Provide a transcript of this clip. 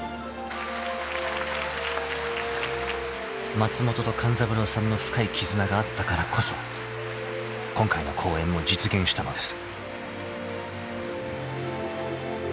［松本と勘三郎さんの深い絆があったからこそ今回の公演も実現したのです］